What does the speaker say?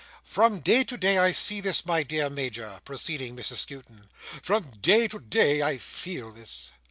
"From day to day I see this, my dear Major," proceeded Mrs Skewton. "From day to day I feel this.